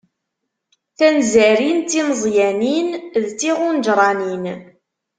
Tanzarin d timeẓyanin d tiɣunǧranin.